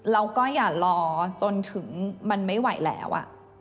เราก็อย่ารอจนถึงมันไม่ไหวแล้ว